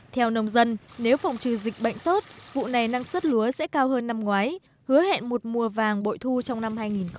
theo nông dân nếu phòng trừ dịch bệnh tốt vụ này năng suất lúa sẽ cao hơn năm ngoái hứa hẹn một mùa vàng bội thu trong năm hai nghìn hai mươi